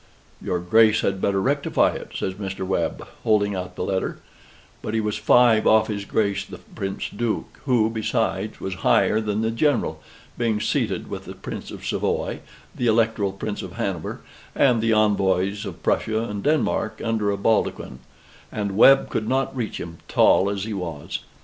"Your Grace had better rectify it," says Mr. Webb, holding out the letter; but he was five off his Grace the Prince Duke, who, besides, was higher than the General (being seated with the Prince of Savoy, the Electoral Prince of Hanover, and the envoys of Prussia and Denmark, under a baldaquin), and Webb could not reach him, tall as he was.